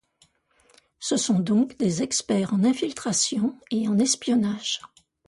Ce sont donc des experts en infiltration et en espionnage.